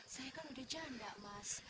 saya kan udah janda mas